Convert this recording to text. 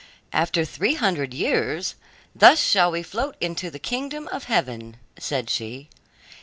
"After three hundred years, thus shall we float into the kingdom of heaven," said she.